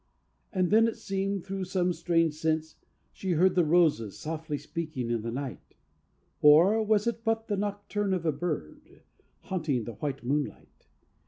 And then it seemed, through some strange sense, she heard The roses softly speaking in the night, Or was it but the nocturne of a bird Haunting the white moonlight?